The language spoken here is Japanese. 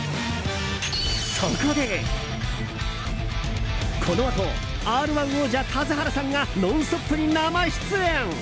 そこで、このあと「Ｒ‐１」王者・田津原さんが「ノンストップ！」に生出演！